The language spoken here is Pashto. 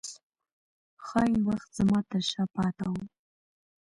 ښايي وخت زما ترشا پاته و